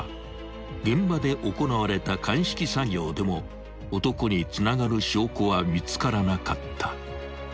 ［現場で行われた鑑識作業でも男につながる証拠は見つからなかった］